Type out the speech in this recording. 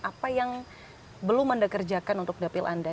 apa yang belum anda kerjakan untuk dapil anda